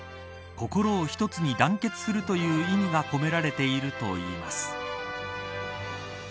心を一つに団結するという意味が込められているといいます。